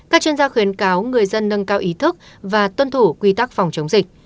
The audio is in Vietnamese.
các chuyên gia khuyến cáo người dân nâng cao ý thức và tuân thủ quy tắc phòng chống dịch